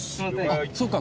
あっそうか。